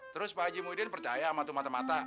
terus pak haji muhyiddin percaya sama tu mata mata